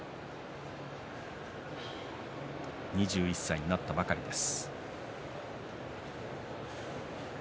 ２１歳になったばかりです。